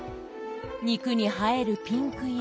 肉に映えるピンク色。